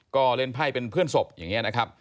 ก็เล่นไพ่เป็นเพื่อนศพอย่างนี้นะครับ